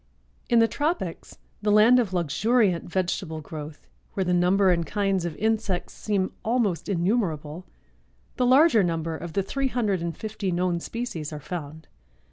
In the tropics, the land of luxuriant vegetable growth, where the number and kinds of insects seem almost innumerable, the larger number of the three hundred and fifty known species are found.